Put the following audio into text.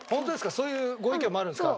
そういうご意見もあるんですか。